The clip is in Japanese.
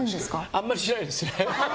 あんまりしないですね。